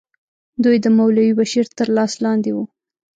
دوی د مولوي بشیر تر لاس لاندې وو.